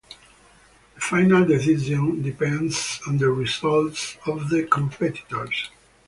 The final decision depends on the results of the competitors.